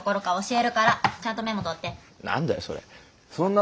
え？